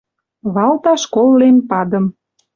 Валташ кол лем падым.